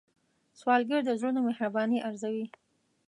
سوالګر د زړونو مهرباني ارزوي